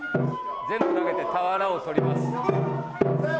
全部投げて俵を取ります。